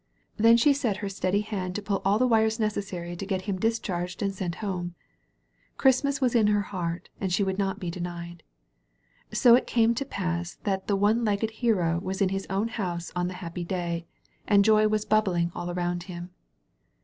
Then she set her steady hand to pull all the wires necessary to get him discharged and sent home. Christmas was in her heart and she would not be denied. So it came to pass that the one legged Hero was in his own house on the happy day, and joy was bub bling all around him.